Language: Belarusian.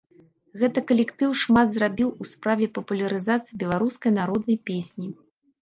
Гэты калектыў шмат зрабіў у справе папулярызацыі беларускай народнай песні.